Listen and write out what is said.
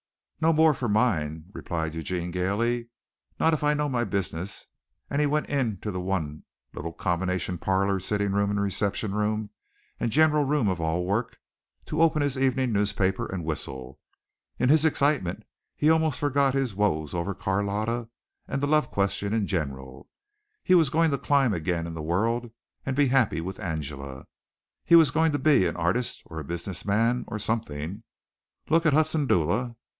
"No more for mine," replied Eugene gaily, "not if I know my business," and he went into the one little combination parlor, sitting room, reception room and general room of all work, to open his evening newspaper and whistle. In his excitement he almost forgot his woes over Carlotta and the love question in general. He was going to climb again in the world and be happy with Angela. He was going to be an artist or a business man or something. Look at Hudson Dula.